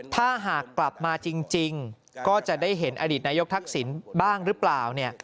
ถ้าหากกลับมาจริงก็จะได้เห็นอดีตนายกทักษิณบ้างหรือเปล่าเนี่ย